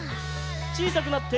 ちいさくなって。